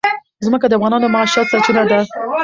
ځمکه د افغانانو د معیشت سرچینه ده.